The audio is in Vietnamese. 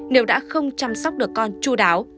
nếu đã không chăm sóc được con chú đáo